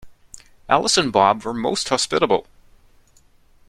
Alice and Bob were most hospitable